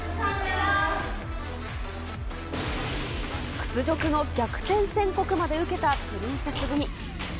屈辱の逆転宣告まで受けたプリンセス組。